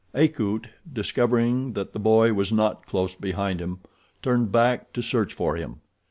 Akut, discovering that the boy was not close behind him, turned back to search for him.